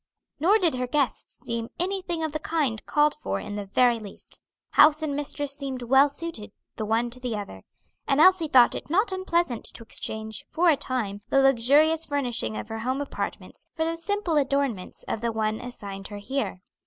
Nor did her guests deem anything of the kind called for in the very least; house and mistress seemed well suited the one to the other: and Elsie thought it not unpleasant to exchange, for a time, the luxurious furnishing of her home apartments for the simple adornments of the one assigned her here.